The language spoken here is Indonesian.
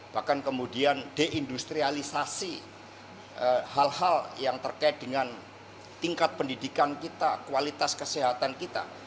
bahkan kemudian deindustrialisasi hal hal yang terkait dengan tingkat pendidikan kita kualitas kesehatan kita